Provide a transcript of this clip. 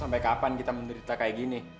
sampai kapan kita menderita kayak gini